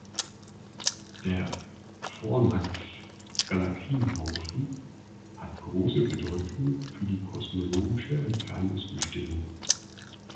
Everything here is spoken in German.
Der Fornax-Galaxienhaufen hat große Bedeutung für die kosmologische Entfernungsbestimmung.